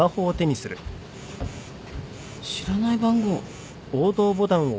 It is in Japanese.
知らない番号。